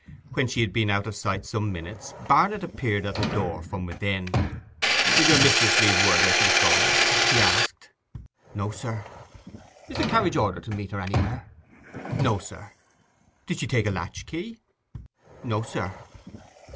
When she had been out of sight for some minutes Barnet appeared at the door from within. 'Did your mistress leave word where she was going?' he asked. 'No, sir.' 'Is the carriage ordered to meet her anywhere?' 'No, sir.' 'Did she take a latch key?' 'No, sir.